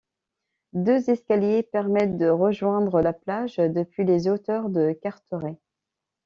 Deux escaliers permettent de rejoindre la plage depuis les hauteurs de Carteret.